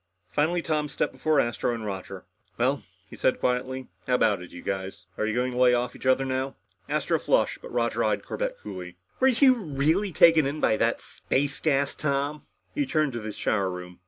Finally Tom stepped before Astro and Roger. "Well," he said quietly, "how about it, you guys? Are you going to lay off each other now?" Astro flushed, but Roger eyed Corbett coolly. "Were you really taken in with that space gas, Tom?" He turned to the shower room.